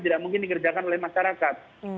tidak mungkin dikerjakan oleh masyarakat